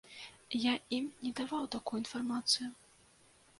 Я ім не даваў такую інфармацыю.